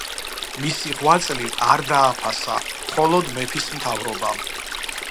მისი ღვაწლი არ დააფასა მხოლოდ მეფის მთავრობამ.